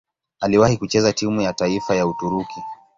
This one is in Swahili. Aliwahi kucheza timu ya taifa ya Uturuki.